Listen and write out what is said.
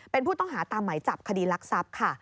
เป็นผู้ต้องหาตามไหมจับคดีลักษัพธ์